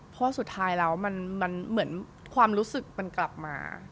เพราะสุดท้ายแล้วมันเหมือนความรู้สึกมันกลับมา